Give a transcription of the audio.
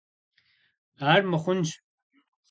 Ар мыхъунщ.